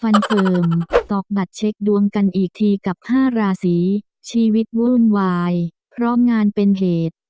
ฟันเฟิร์มตอกบัตรเช็คดวงกันอีกทีกับ๕ราศีชีวิตวุ่นวายพร้อมงานเป็นเหตุ